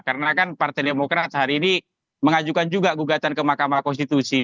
karena kan partai demokrat hari ini mengajukan juga gugatan ke mahkamah konstitusi